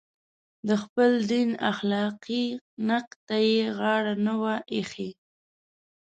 د خپل دین اخلاقي نقد ته یې غاړه نه وي ایښې.